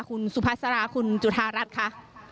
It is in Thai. คุณสุภาษาราคุณจุธารัฐค่ะ